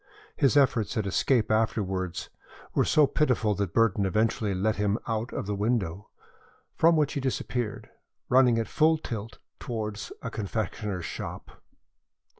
His efforts at escape afterwards were so pitiful that Burton eventually let him out of the window, from which he disappeared, running at full tilt towards a confectioner's shop.